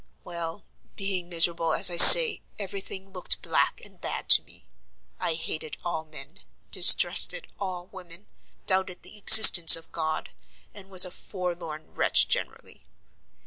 Well, being miserable, as I say, every thing looked black and bad to me: I hated all men, distrusted all women, doubted the existence of God, and was a forlorn wretch generally.